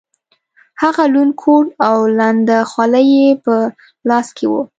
هغه لوند کوټ او لنده خولۍ یې په لاس کې وه.